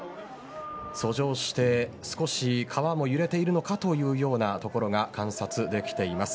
遡上して少し川も揺れているというところが観測できています。